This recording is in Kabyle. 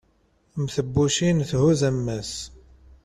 mm tebbucin thuzz ammas